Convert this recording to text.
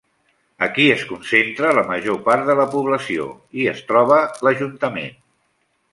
Aquí es concentra la major part de la població i es troba l'ajuntament.